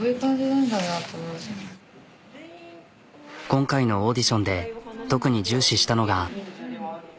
今回のオーディションで特に重視したのが。